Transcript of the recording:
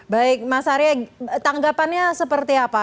baik mas arya tanggapannya seperti apa